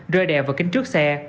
rơi đè vào kính trước xe